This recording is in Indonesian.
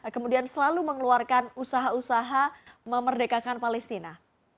kemudian selalu mengeluarkan usaha usaha memerdekakan palestina